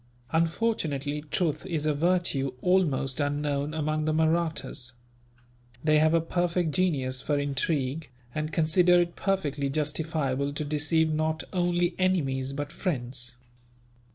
Unfortunately, truth is a virtue almost unknown among the Mahrattas. They have a perfect genius for intrigue, and consider it perfectly justifiable to deceive not only enemies, but friends.